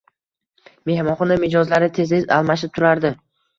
Mehmonxona mijozlari tez-tez almashib turardi